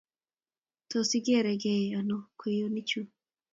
Tos igertei ano kweyonichu?